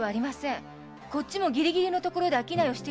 こっちもギリギリのところで商いをしてるだけでございます。